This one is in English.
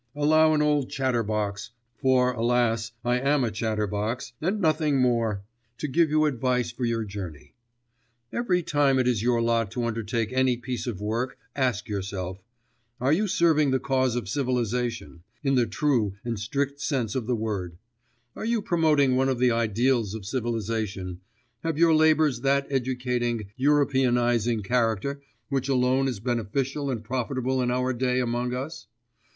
Allow an old chatterbox for, alas, I am a chatterbox, and nothing more to give you advice for your journey. Every time it is your lot to undertake any piece of work, ask yourself: Are you serving the cause of civilisation, in the true and strict sense of the word; are you promoting one of the ideals of civilisation; have your labours that educating, Europeanising character which alone is beneficial and profitable in our day among us?